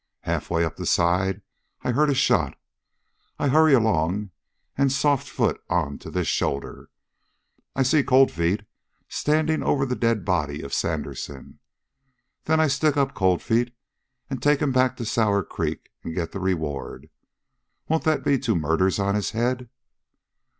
Halfway up the side I hear a shot. I hurry along and soft foot on to this shoulder. I see Cold Feet standing, over the dead body of Sandersen. Then I stick up Cold Feet and take him back to Sour Creek and get the reward. Won't that be two murders on his head?"